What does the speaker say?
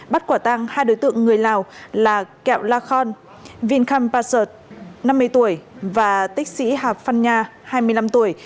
bắt quả tăng hai đối tượng người lào là kẹo la khon vinh kham pasut năm mươi tuổi và tích sĩ hạp phan nha hai mươi năm tuổi